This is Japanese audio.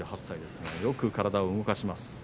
３８歳ですがよく体を動かします。